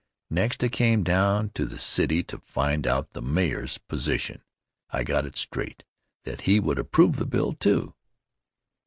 Next I came down to the city to find out the mayor's position. I got it straight that he would approve the bill, too.